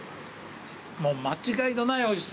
もう間違いのないおいしさ。